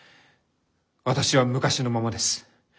私は昔のままです。